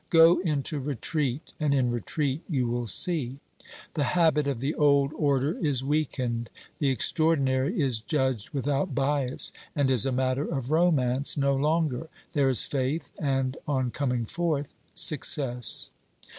Go into retreat, and in retreat you will see. The habit of the old order is weakened, the extraordinary is judged without bias, and is a matter of romance no longer ; there is faith and, on coming forth, success.